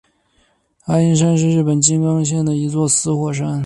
爱鹰山是日本静冈县的一座死火山。